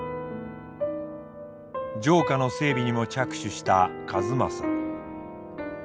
城下の整備にも着手した数正。